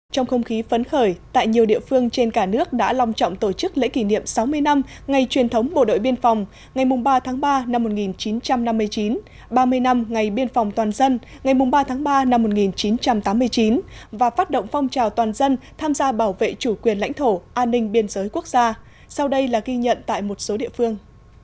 trong không khí phấn khởi tại nhiều địa phương trên cả nước đã lòng trọng tổ chức lễ kỷ niệm sáu mươi năm ngày truyền thống bộ đội biên phòng ngày ba ba một nghìn chín trăm năm mươi chín ba mươi năm ngày biên phòng toàn dân ngày ba ba một nghìn chín trăm tám mươi chín và phát động phong trào toàn dân tham gia bảo vệ chủ quyền lãnh thổ an ninh biên giới quốc gia sau đây là ghi nhận tại một số địa phương